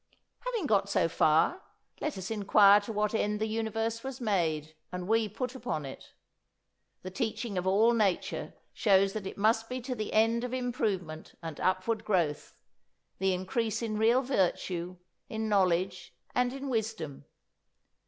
'"Having got so far, let us inquire to what end the universe was made, and we put upon it. The teaching of all nature shows that it must be to the end of improvement and upward growth, the increase in real virtue, in knowledge, and in wisdom.